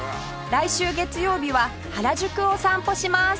来週月曜日は原宿を散歩します